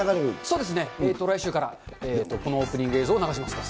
そうですね、来週から、このオープニング映像を流しますと。